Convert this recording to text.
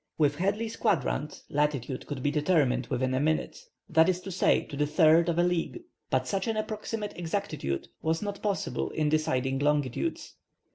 With Hadley's quadrant, latitude could be determined within a minute, that is to say, to the third of a league. But such an approximate exactitude was not possible in deciding longitudes.